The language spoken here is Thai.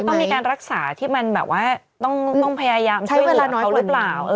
ต้องมีการรักษาที่มันแบบว่าต้องพยายามช่วยหลานเขาหรือเปล่า